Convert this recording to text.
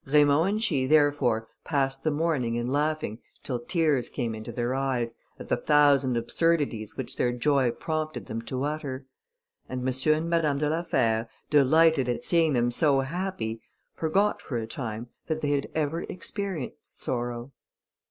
Raymond and she, therefore, passed the morning in laughing till tears came into their eyes, at the thousand absurdities which their joy prompted them to utter; and M. and Madame de la Fère, delighted at seeing them so happy, forgot for a time that they had ever experienced sorrow.